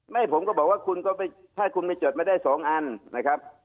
ผมก็บอกว่าคุณก็ไม่ถ้าคุณไปจดไม่ได้สองอันนะครับ